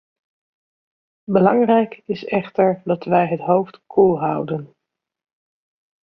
Belangrijk is echter dat wij het hoofd koel houden.